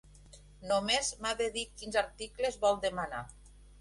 Només m'ha de dir quins articles vol demanar.